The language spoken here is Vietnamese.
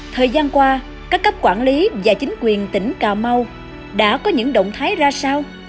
thời gian qua các cấp quản lý và chính quyền tỉnh cà mau đã có những động thái ra sao